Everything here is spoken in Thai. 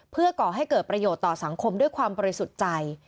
เพื่อก่อให้เกิดประโยชน์ต่อสังคมด้วยความบริสุทธิ์ใจ